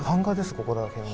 ここら辺は。